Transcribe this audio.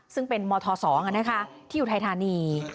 ซึ่งเป็นมศ๒นะคะที่อยู่ไทยธานี